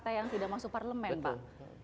tapi sekarang tidak masuk parlemen pak